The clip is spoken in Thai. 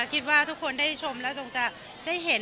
คิดว่าทุกคนได้ชมแล้วจงจะได้เห็น